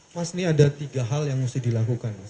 mas ini ada tiga hal yang harus dilakukan